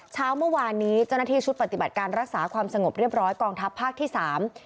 เช้าเมื่อวานนี้เจ้าหน้าที่ชุดปฏิบัติการรักษาความสงบเรียบร้อยกองทัพภาคที่สาม